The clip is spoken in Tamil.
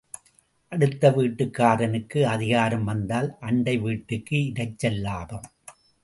அடுத்த வீட்டுக்காரனுக்கு அதிகாரம் வந்தால் அண்டை வீட்டுக்கு இரைச்சல் லாபம்.